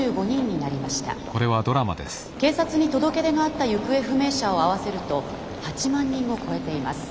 警察に届け出があった行方不明者を合わせると８万人を超えています。